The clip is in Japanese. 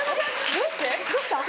どうした？